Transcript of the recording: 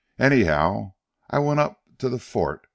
Anyhow I went up to the Fort.